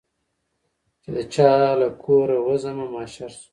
چي د چا له کوره وزمه محشر سم